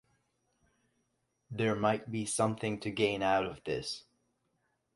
There might be something to gain out of this.